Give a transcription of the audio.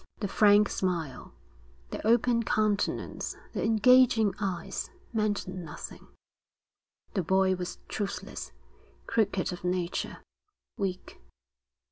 The frank smile, the open countenance, the engaging eyes, meant nothing; the boy was truthless, crooked of nature, weak.